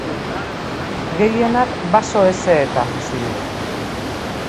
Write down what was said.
Gehienak baso hezeetan bizi dira.